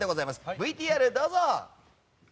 ＶＴＲ、どうぞ！